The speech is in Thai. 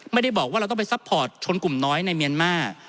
ไม่ได้บอกว่าเราต้องไปซัพพอร์ตชนกลุ่มน้อยในเมียนมาร์